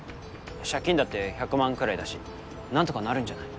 借金だって１００万くらいだしなんとかなるんじゃない？